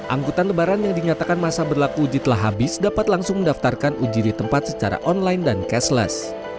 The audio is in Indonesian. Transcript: angkutan lebaran yang dinyatakan masa berlaku uji telah habis dapat langsung mendaftarkan uji di tempat secara online dan cashless